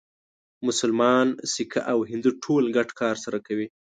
مسلمان، سیکه او هندو ټول ګډ کار سره کوي.